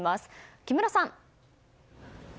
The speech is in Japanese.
木村さん。